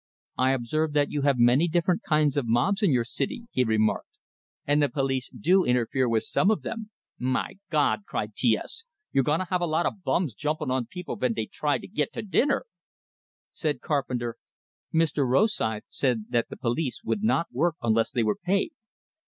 "I observe that you have many kinds of mobs in your city," he remarked. "And the police do interfere with some of them." "My Gawd!" cried T S. "You gonna have a lot o' bums jumpin' on people ven dey try to git to dinner?" Said Carpenter: "Mr. Rosythe said that the police would not work unless they were paid.